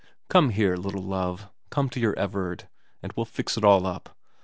' Come here, little love, come to your Everard, and we'll fix it all up.